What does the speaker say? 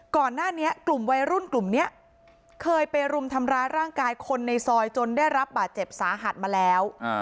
ก่อนหน้านี้กลุ่มวัยรุ่นกลุ่มนี้เคยไปรุมทำร้ายร่างกายคนในซอยจนได้รับบาดเจ็บสาหัสมาแล้ว